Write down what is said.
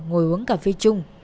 ngồi uống cà phê chung